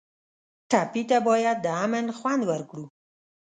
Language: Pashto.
ټپي ته باید د امن خوند ورکړو.